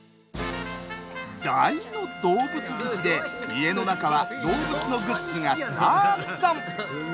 大の動物好きで、家の中は動物のグッズがたくさん。